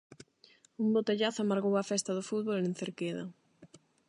Un botellazo amargou a festa do fútbol en Cerqueda.